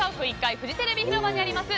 フジテレビ広場にあります